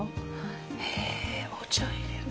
へえお茶入れるの。